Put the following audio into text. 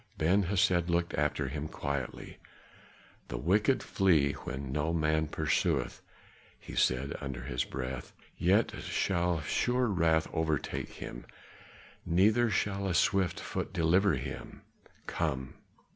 Ben Hesed looked after him quietly. "The wicked flee when no man pursueth," he said under his breath, "yet shall sure wrath overtake him, neither shall a swift foot deliver him. Come!"